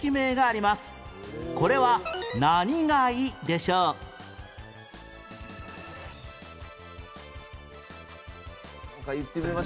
これは何貝でしょう？なんか言ってみましょう。